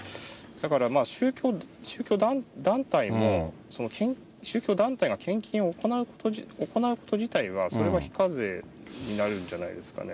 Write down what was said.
だから、宗教団体も、宗教団体が献金を行うこと自体は、それは非課税になるんじゃないですかね。